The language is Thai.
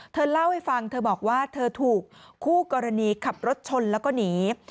เธอเล่าให้ฟังเธอบอกว่าเธอถูกคู่กรณีขับรถชนแล้วก็หนี